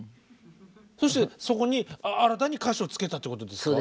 そしてそこに新たに歌詞をつけたっていうことですか？